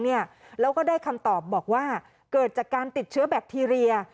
แล้วก็ได้คำตอบบอกว่าเกิดจากการติดเชื้อแบคทีเรีย